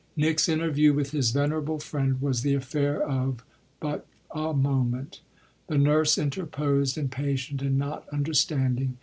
Nick's interview with his venerable friend was the affair of but a moment; the nurse interposed, impatient and not understanding.